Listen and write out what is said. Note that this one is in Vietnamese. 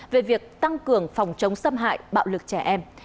về việc tăng cường phòng chống xâm hại bạo lực trẻ em